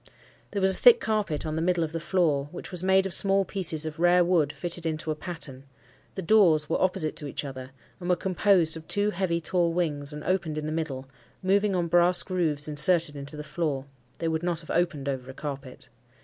There was a thick carpet on the middle of the floor, which was made of small pieces of rare wood fitted into a pattern; the doors were opposite to each other, and were composed of two heavy tall wings, and opened in the middle, moving on brass grooves inserted into the floor—they would not have opened over a carpet.